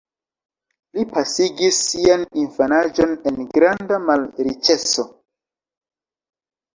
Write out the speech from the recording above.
Li pasigis sian infanaĝon en granda malriĉeco.